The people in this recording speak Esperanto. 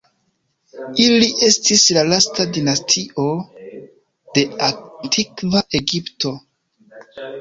Ili estis la lasta dinastio de Antikva Egipto.